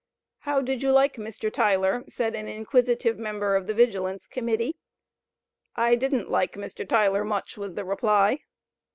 "How did you like Mr. Tyler?" said an inquisitive member of the Vigilance Committee. "I didn't like Mr. Tyler much," was the reply.